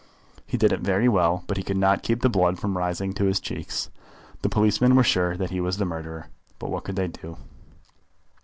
He did it very well, but he could not keep the blood from rising to his cheeks. The policemen were sure that he was the murderer, but what could they do?